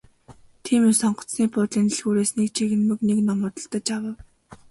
Тиймээс онгоцны буудлын дэлгүүрээс нэг жигнэмэг нэг ном худалдаж авав.